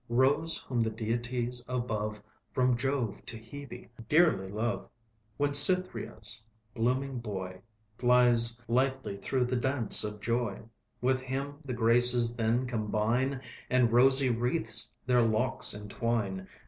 Rose whom the Deities above, From Jove to Hebe, dearly love, When Cytherea's blooming Boy, Flies lightly through the dance of Joy, With him the Graces then combine, And rosy wreaths their locks entwine.